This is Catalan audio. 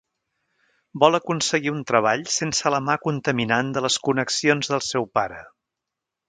Vol aconseguir un treball sense la mà contaminant de les connexions del seu pare.